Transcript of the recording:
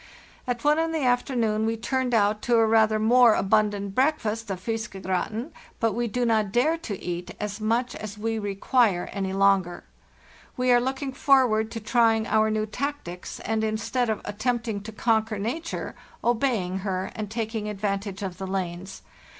At one in the afternoon we turned out to a rather more abundant breakfast of ' fiskegratin,' but we do not dare to eat as much as we require any longer. We are looking forward to trying our new tactics, and instead of at tempting to conquer nature, obeying her and taking advantage of the lanes.